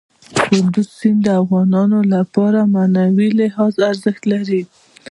کندز سیند د افغانانو لپاره په معنوي لحاظ ارزښت لري.